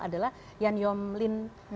adalah yan yom lin